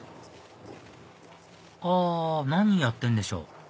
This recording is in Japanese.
あ何やってるんでしょう？